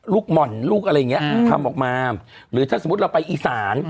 หม่อนลูกอะไรอย่างเงี้อืมทำออกมาหรือถ้าสมมุติเราไปอีสาน